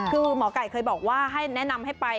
คือหมอไก่เคยบอกว่าให้แนะนำให้ไป